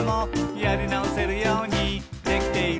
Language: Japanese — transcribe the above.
「やりなおせるようにできている」